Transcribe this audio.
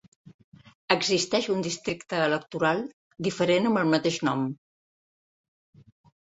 Existeix un districte electoral diferent amb el mateix nom.